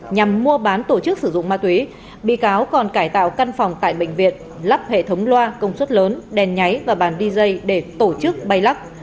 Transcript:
nhằm mua bán tổ chức sử dụng ma túy bị cáo còn cải tạo căn phòng tại bệnh viện lắp hệ thống loa công suất lớn đèn nháy và bàn dj để tổ chức bay lắc